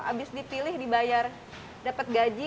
abis dipilih dibayar dapet gaji